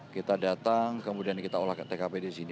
kita datang kemudian kita olah tkp di sini